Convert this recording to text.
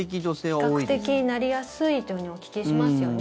比較的なりやすいというふうにお聞きしますよね。